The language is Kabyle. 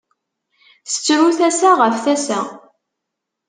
Tettru tasa ɣef tasa.